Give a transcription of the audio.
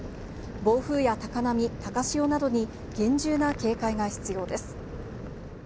暴風や高波、高潮などに厳重な警戒が必要です。